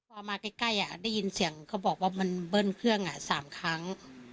พอมาใกล้ได้ยินเสียงเขาบอกว่ามันเบิ้ลเครื่อง๓ครั้ง